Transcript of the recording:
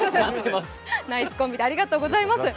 ナイスコンビでありがとうございます。